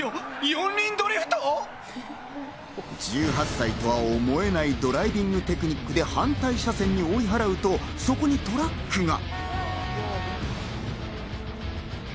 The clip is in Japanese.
１８歳とは思えないドライビングテクニックで反対車線に追い払うと、そこにトラックが。